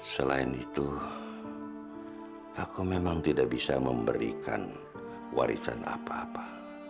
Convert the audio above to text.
selain itu aku memang tidak bisa memberikan warisan apa apa